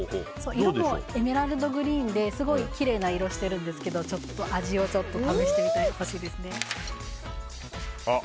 色もエメラルドグリーンですごいきれいな色なんですが味を試してみてほしいです。